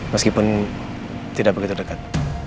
meskipun tidak begitu dekat